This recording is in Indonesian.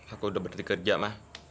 aku udah berhenti kerja mah